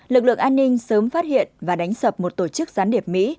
lực lượng an ninh sớm phát hiện và đánh sập một tổ chức gián điệp mỹ